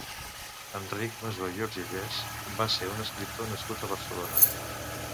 Enric Massó i Urgellès va ser un escriptor nascut a Barcelona.